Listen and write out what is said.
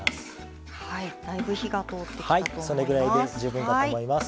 だいぶ火が通ってきたと思います。